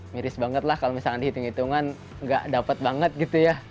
miris banget lah kalau misalkan dihitung hitungan nggak dapat banget gitu ya